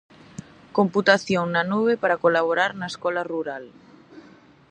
Computación na nube para colaborar na escola rural.